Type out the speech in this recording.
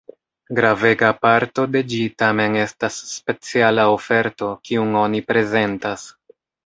Gravega parto de ĝi tamen estas speciala oferto, kiun oni prezentas.